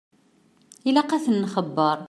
Ilaq ad ten-nxebbeṛ.